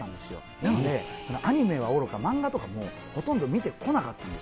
なので、アニメはおろか、漫画とかもほとんど見てこなかったんです。